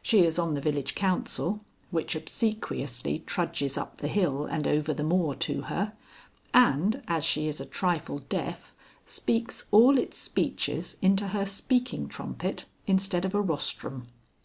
She is on the Village Council, which obsequiously trudges up the hill and over the moor to her, and (as she is a trifle deaf) speaks all its speeches into her speaking trumpet instead of a rostrum.